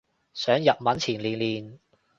上日文前練練